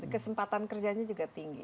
kesempatan kerjanya juga tinggi